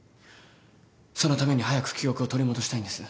そのために早く記憶を取り戻したいんです。